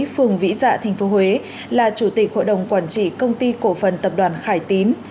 phường vĩ dạ tp huế là chủ tịch hội đồng quản trị công ty cổ phần tập đoàn khải tín